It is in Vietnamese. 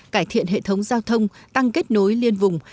cải thiện hệ thống giao thông tăng kết nối liên vùng